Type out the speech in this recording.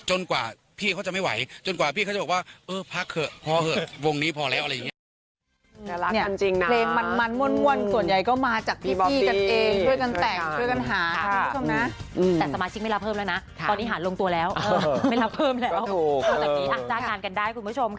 กว่าพี่เขาจะไม่ไหวจนกว่าพี่เขาจะบอกว่าเออพักเถอะพอเถอะวงนี้พอแล้วอะไรอย่างนี้